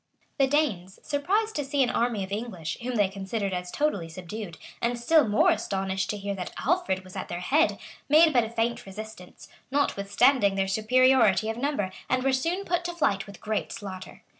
The Danes, surprised to see an army of English, whom they considered as totally subdued, and still more astonished to hear that Alfred was at their head, made but a faint resistance, notwithstanding their superiority of number, and were soon put to flight with great slaughter.